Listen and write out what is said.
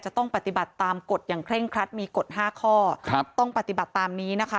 จะต้องปฏิบัติตามกฎอย่างเคร่งครัดมีกฎห้าข้อครับต้องปฏิบัติตามนี้นะคะ